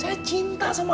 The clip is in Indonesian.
kau sendiri pinginnya gimana